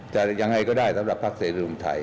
แต่ยังไงก็ได้สำหรับภาคเศรษฐรุงไทย